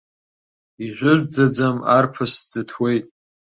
Ижәытәӡаӡам арԥыс дӡыҭуеит.